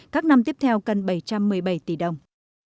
các năm tiếp theo cần bảy trăm một mươi bảy tỷ đồng